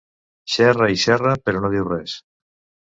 Xerra i xerra però no diu res.